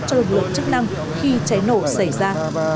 cho lực lượng chức năng khi cháy nổ xảy ra